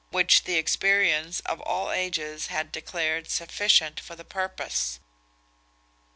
which the experience of all ages had declared sufficient for the purpose.